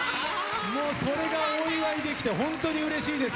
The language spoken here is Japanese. それがお祝いできてホントにうれしいです。